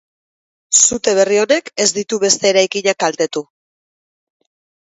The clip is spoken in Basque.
Sute berri honek ez ditu beste eraikinak kaltetu.